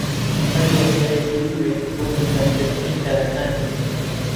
هەر یاسایەکی بوێ بۆ مەیسەرکردنی کارەکانی